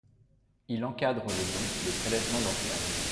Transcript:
Il encadre le don et le prélèvement d’organes.